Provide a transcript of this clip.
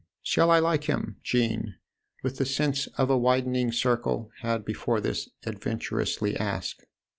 " Shall I like him ?" Jean, with the sense of a widening circle, had, before this, adventurously asked.